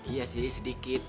iya sih sedikit